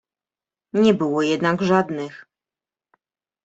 "Nie było jednak żadnych."